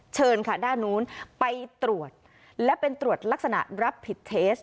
เชิญค่ะด้านนู้นไปตรวจและเป็นตรวจลักษณะรับผิดเทส